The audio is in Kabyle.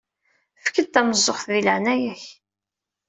Efk-d tameẓẓuɣt di leɛnaya-k.